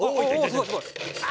すごいすごい。